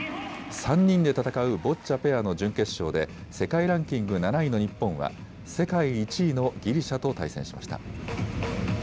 ３人で戦うボッチャペアの準決勝で世界ランキング７位の日本は世界１位のギリシャと対戦しました。